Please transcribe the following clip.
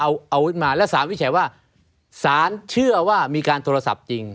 เค้าเอาอาวุธมาแล้วสารฟิศชัยว่าสารเชื่อว่ามีการโทรศัพท์จริง